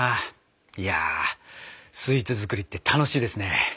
いやスイーツ作りって楽しいですね。